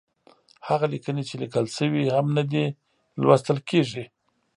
هغه ليکنې چې ليکل شوې هم نه دي، لوستل کېږي.